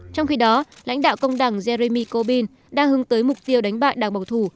trong khi đó lãnh đạo công đảng jeremy corbyl đang hướng tới mục tiêu đánh bại đảng bảo thủ